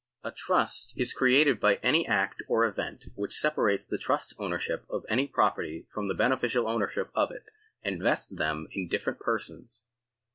A trust is created by any act or event which separates the trust ownership of any property from the beneficial ownership of it, and vests them in different persons.